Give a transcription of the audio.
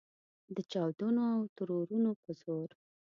د چاودنو او ترورونو په زور.